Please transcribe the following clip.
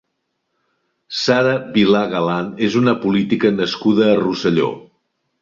Sara Vilà Galan és una política nascuda a Rosselló.